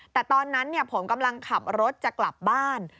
แต่ตอนนั้นผมกำลังขับรถจะกลับบ้าน